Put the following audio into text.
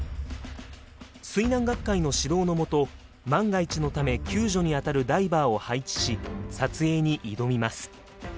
水難学会の指導のもと万が一のため救助に当たるダイバーを配置し撮影に挑みます。